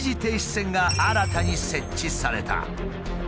線が新たに設置された。